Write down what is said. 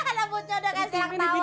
ah anak bucoh dengan si anak tawon